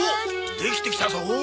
できてきたぞ。